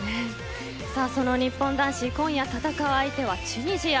その日本男子今夜戦う相手はチュニジア。